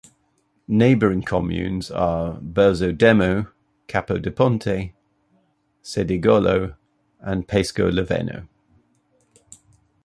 Neighbouring communes are Berzo Demo, Capo di Ponte, Cedegolo and Paisco Loveno.